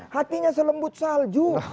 hatinya selembut salju